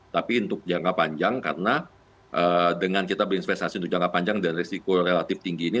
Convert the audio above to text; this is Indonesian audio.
tapi untuk jangka panjang karena dengan kita berinvestasi untuk jangka panjang dan risiko relatif tinggi ini